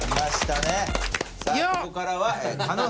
さあここからは。